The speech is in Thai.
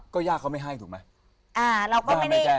ก็ย่าเค้าไม่ให้ถูกไหม